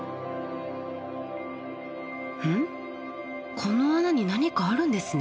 この穴に何かあるんですね。